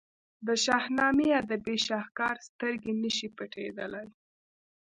د شاهنامې ادبي شهکار سترګې نه شي پټېدلای.